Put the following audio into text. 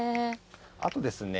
あとですね